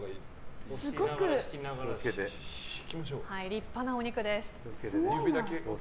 立派なお肉です。